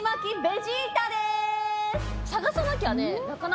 探さなきゃね。